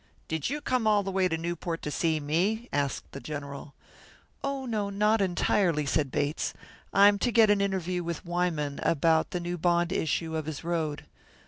"Did you come all the way to Newport to see me?" asked the General. "Oh, no, not entirely," said Bates. "I'm to get an interview with Wyman about the new bond issue of his road.